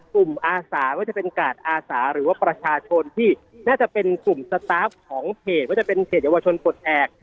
อาสาว่าจะเป็นกาดอาสาหรือว่าประชาชนที่น่าจะเป็นกลุ่มสตาฟของเพจว่าจะเป็นเขตเยาวชนปลดแอบ